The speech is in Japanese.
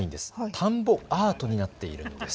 田んぼアートになっているんです。